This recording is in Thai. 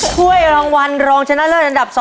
ถ้วยรางวัลรองชนะเลิศอันดับ๒